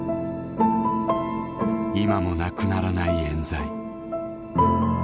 今もなくならないえん罪。